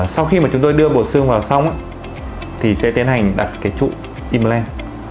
sau khi mà chúng tôi đưa bột xương vào xong thì sẽ tiến hành đặt cái trụ im lên